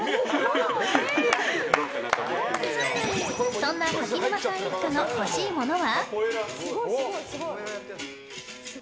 そんな柿沼さん一家の欲しいものは。